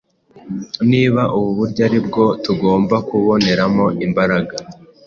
Niba ubu buryo ari bwo tugomba kuboneramo imbaraga,